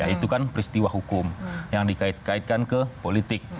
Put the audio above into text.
itu kan peristiwa hukum yang dikaitkan ke politik